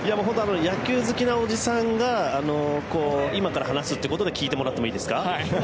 野球好きなおじさんが今から話すということで聞いてもらってもいいですか。